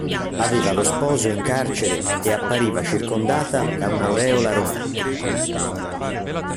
Aveva lo sposo in carcere e appariva circondata da un'aureola romantica.